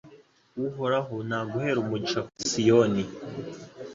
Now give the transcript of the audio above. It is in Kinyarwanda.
Uhoraho naguhere umugisha kuri Siyoni